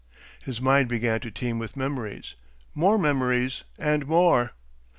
His mind began to teem with memories more memories and more.